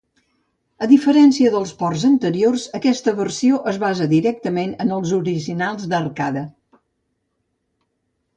A diferència dels ports anteriors, aquesta versió es basa directament en els originals d'arcade.